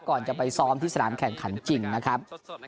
ก่อนจะไปซ้อมที่สนามแข่งขันจริงนะครับ